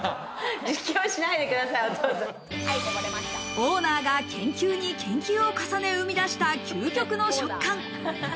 オーナーが研究に研究を重ね、生み出した究極の食感。